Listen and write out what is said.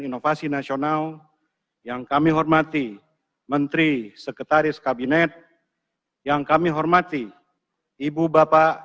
inovasi nasional yang kami hormati menteri sekretaris kabinet yang kami hormati ibu bapak